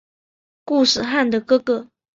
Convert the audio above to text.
固始汗的哥哥。